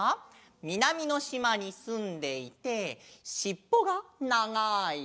みなみのしまにすんでいてしっぽがながい。